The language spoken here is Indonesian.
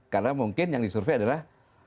karena mungkin yang disurvei adalah